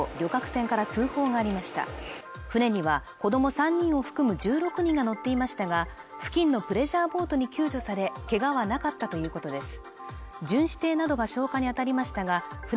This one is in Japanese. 船には子ども３人を含む１６人が乗っていましたが付近のプレジャーボートに救助されけがはなかったということです